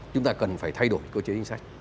chúng ta cần phải thay đổi cơ chế chính sách